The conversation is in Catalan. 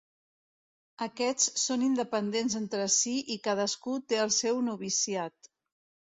Aquests són independents entre si i cadascú té el seu noviciat.